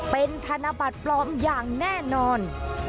เป็นธนบัตรปลอมอย่างแน่นอน